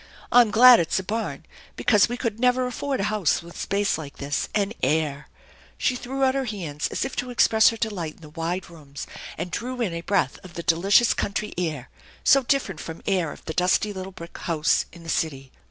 " I'm glad it's a barn, because we could never afford a house with space like this, and air !" She threw out her hands as if to express her delight in the wide rooms, and drew in a breath of the delicious country air, so different from air of the dusty little brick house in the city.